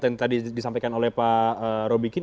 yang tadi disampaikan oleh pak robikin